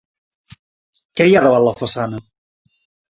Què hi ha davant la façana?